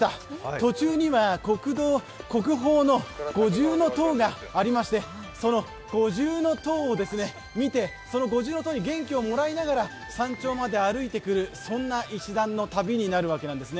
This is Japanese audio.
途中には国宝の五重塔がありましてその五重塔をみて、その五重塔に元気をもらいながら山頂まで歩いてくる、そんな石段の旅になるわけです。